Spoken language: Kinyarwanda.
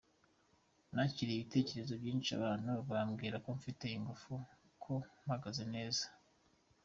Nakiriye ibitekerezo byinshi abantu bambwira ko mfite ingufu, ko mpagaze neza.